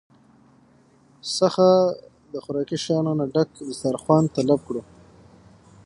څخه د خوراکي شيانو نه ډک دستارخوان طلب کړو